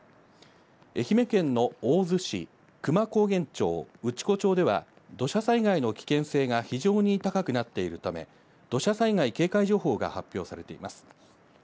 愛媛県の大洲市、久万高原町、内子町では、土砂災害の危険性が非常に高くなっているため、土砂災害警戒情報が発表されています。